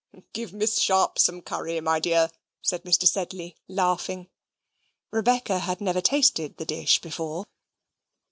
"Give Miss Sharp some curry, my dear," said Mr. Sedley, laughing. Rebecca had never tasted the dish before.